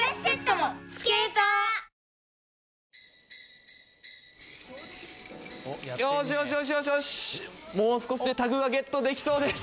もう少しでタグがゲットできそうです。